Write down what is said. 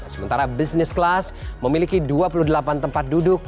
sementara business class memiliki dua puluh delapan tempat duduk